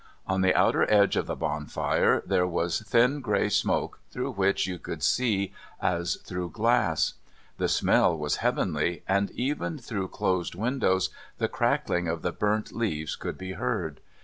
On the outer edge of the bonfire there was thin grey smoke through which you could see as through glass. The smell was heavenly, and even through closed windows the crackling of the burnt leaves could be heard.